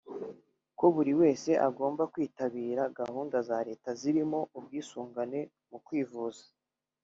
ko buri wese agomba kwitabira gahunda za Leta zirimo ubwisungane mu kwivuza